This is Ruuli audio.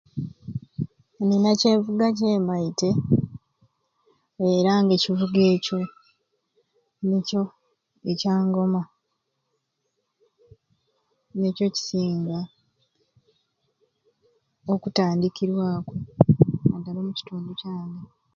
Nina kyenku kyemmaite era nga ekivuga ekyo nikyo ekya ngoma nikyo kisinga okutandikirwaku naddala omukitundu kyange